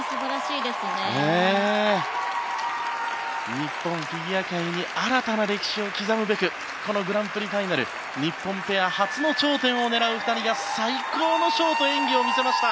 日本フィギュア界に新たな歴史を刻むべくこのグランプリファイナル日本ペア初の頂点を狙う２人が最高のショートの演技を見せました。